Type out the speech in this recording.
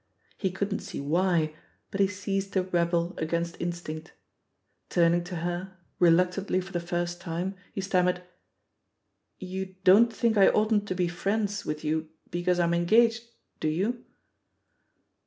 He couldn't see why, but he ceased to rebel Bgainst instinct. Turning to her, reluctantly for the first time, he stammered: "You don't think I oughtn't to be friends you because I'm engaged, do you?"